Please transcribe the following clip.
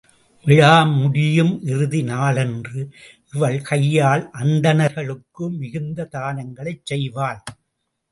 விழா முடியும் இறுதி நாளன்று இவள் கையால் அந்தணர்களுக்கு மிகுந்த தானங்களைச் செய்வாள்.